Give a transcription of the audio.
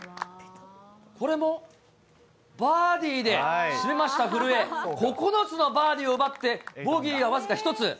これもバーディーで締めました、古江、９つのバーディーを奪って、ボギーは僅か１つ。